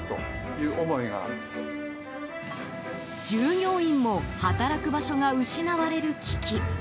従業員も働く場所が失われる危機。